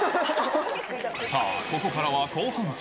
さあ、ここからは後半戦。